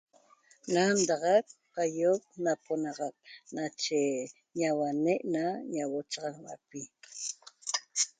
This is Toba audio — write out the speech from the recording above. Na ndaxac aiom naponaxac nache ñauane' na ñauochaxauapi